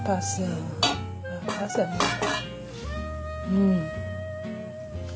うん！